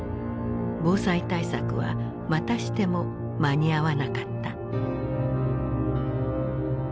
防災対策はまたしても間に合わなかった。